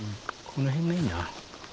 この辺がいいな。